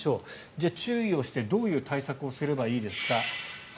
じゃあ、注意をしてどういう対策をすればいいですか。